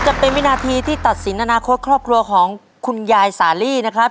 จะเป็นวินาทีที่ตัดสินอนาคตครอบครัวของคุณยายสาลีนะครับ